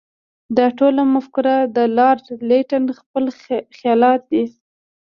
دا ټوله مفکوره د لارډ لیټن خپل خیالات دي.